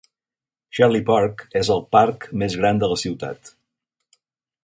Sherdley Park és el parc més gran de la ciutat.